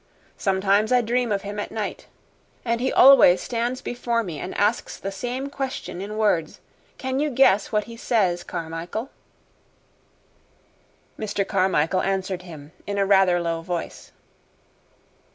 Sometimes I dream of him at night, and he always stands before me and asks the same question in words. Can you guess what he says, Carmichael?" Mr. Carmichael answered him in a rather low voice.